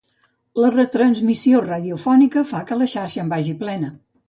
La retransmissió radiofònica fa que la xarxa en vagi plena.